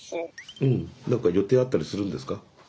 うん何か予定あったりするんですか？